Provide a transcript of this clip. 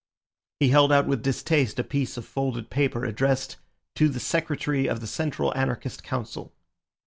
He held out with distaste a piece of folded paper, addressed: "To the Secretary of the Central Anarchist Council."